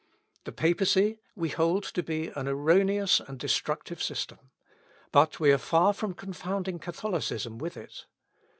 The Papacy we hold to be an erroneous and destructive system; but we are far from confounding Catholicism with it.